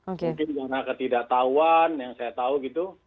mungkin karena ketidaktahuan yang saya tahu gitu